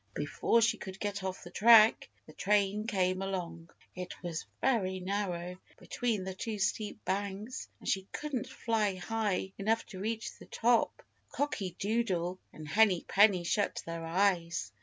Before she could get off the track the train came along. It was very narrow between the two steep banks, and she couldn't fly high enough to reach the top. Cocky Doodle and Henny Penny shut their eyes.